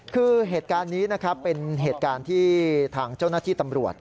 คือเหตุการณ์นี้นะครับเป็นเหตุการณ์ที่ทางเจ้าหน้าที่ตำรวจ